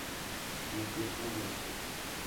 La Plata, Bot.